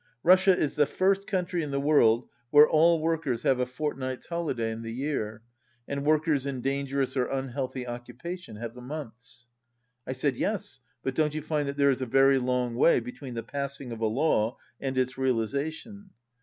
Russia is the first country in the world where all workers have a fortnight's holi day in the year, and workers in dangerous or un healthy occupations have a month's." I said, "Yes, but don't you find that there is a very long way between the passing of a law and its realization?"